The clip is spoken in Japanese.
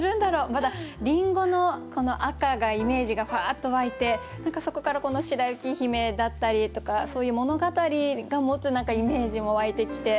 まだ林檎の赤がイメージがふわっと湧いて何かそこから「白雪姫」だったりとかそういう物語が持つ何かイメージも湧いてきて。